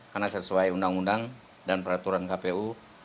karena sesuai undang undang dan peraturan kpu